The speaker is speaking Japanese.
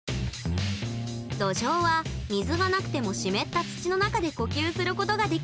ドジョウは水がなくても湿った土の中で呼吸することができます。